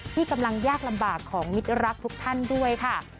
ที่กำลังยากลำบากของมิตรรักทุกท่านด้วยค่ะ